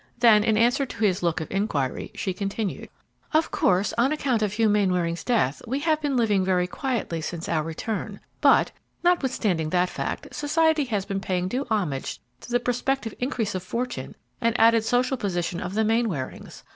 Then, in answer to his look of inquiry, she continued, "Of course, on account of Hugh Mainwaring's death, we have been living very quietly since our return, but, notwithstanding that fact, society has been paying due homage to the prospective increase of fortune and added social position of the Mainwarings.